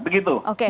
begitu mbak putri